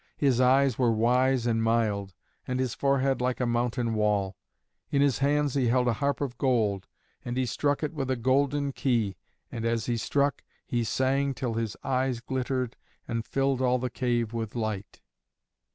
His eyes were wise and mild, and his forehead like a mountain wall. In his hands he held a harp of gold, and he struck it with a golden key. And as he struck, he sang till his eyes glittered and filled all the cave with light.